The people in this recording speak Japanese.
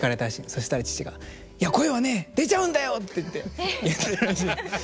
そしたら父が「いや声はね出ちゃうんだよ！」っていって言ったらしいんです。